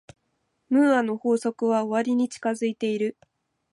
ムーアの法則は終わりに近づいている。